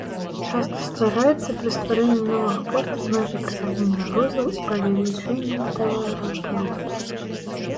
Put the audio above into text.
Часта ствараецца пры стварэнні новага порта з мэтай прыцягнення грузаў і павелічэння тавараабароту.